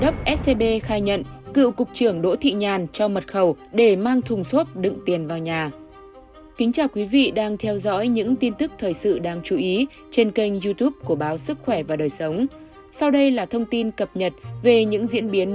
các bạn hãy đăng ký kênh để ủng hộ kênh của chúng mình nhé